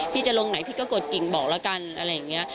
พี่จะลงไหนพี่ก็กดกิ่งบอกละกันอะไรอย่างเงี้ย